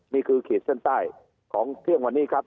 นี่คือขีดเส้นใต้ของเรื่องวันนี้ครับ